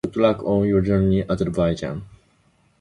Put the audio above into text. Good luck on your journey, Azerbaijan.